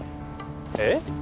えっ？